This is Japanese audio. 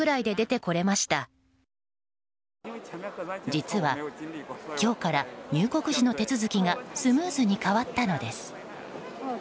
実は今日から入国時の手続きがスムーズに変わったのです。